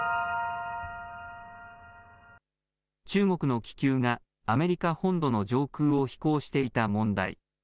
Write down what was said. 中国の気球がアメリカ本土の上空を飛行していた問題。